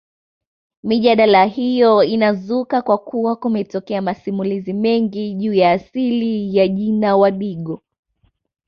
Mijadala hiyo inazuka kwa kuwa kumetokea masimulizi mengi juu ya asili ya jina Wadigo